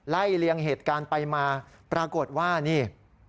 เลียงเหตุการณ์ไปมาปรากฏว่านี่